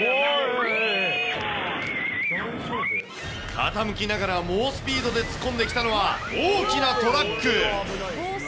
傾きながら猛スピードで突っ込んできたのは、大きなトラック。